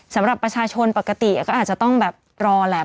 สำหรับประชาชนปกติก็อาจจะต้องแบบรอแหละ